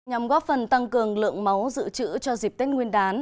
nhằm góp phần tăng cường lượng máu dự trữ cho dịp tết nguyên đán